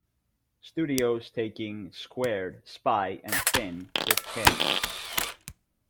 Studios, taking "Squared", "Spy", and "Finn" with him.